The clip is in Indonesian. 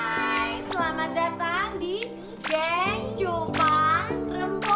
hai guys selamat datang di geng cupang rempola